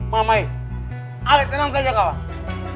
mamai ale tenang saja kawan